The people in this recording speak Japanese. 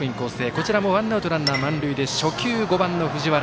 こちらもワンアウトランナー満塁で初球、５番の藤原。